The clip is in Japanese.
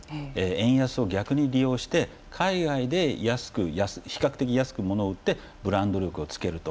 円安を逆に利用して海外で比較的安く物を売ってブランド力をつけると。